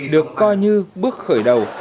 được coi như bước khởi đầu